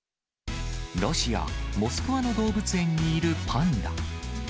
ロシア・モスクワの動物園にいるパンダ。